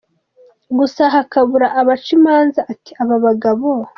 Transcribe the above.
gusa hakabura abaca imanza? Ati “Aba bagabo